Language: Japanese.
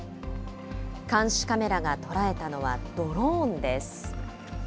監視カメラが捉えたのはドローンです。